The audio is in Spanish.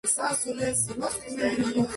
Coronel Mendoza.